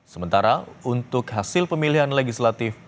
sementara untuk hasil pemilihan legislatif